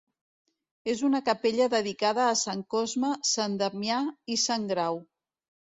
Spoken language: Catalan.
És una capella dedicada a Sant Cosme, Sant Damià i Sant Grau.